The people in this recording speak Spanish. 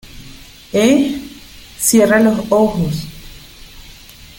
¿ eh? cierra los ojos.